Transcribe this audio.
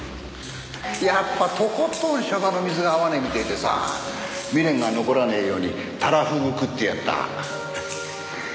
やっぱとことん娑婆の水が合わねえみてえでさ未練が残らねえようにたらフグ食ってやった。